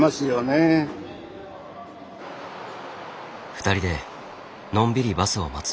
２人でのんびりバスを待つ。